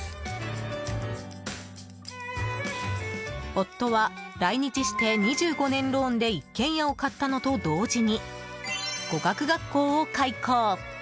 夫は、来日して２５年ローンで一軒家を買ったのと同時に語学学校を開校。